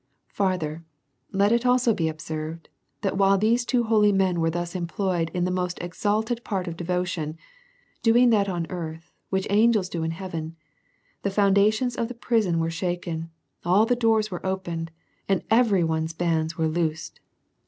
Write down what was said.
Further, let it also be observed, that while these two holy men were thus employed in the most exalted part of devotion, doing that on earth, which angels do in heaven, that the foundations of the prison were shak en, all the doors were opened, and every one's hands were loosed.